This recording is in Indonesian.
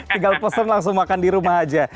tinggal pesen langsung makan di rumah aja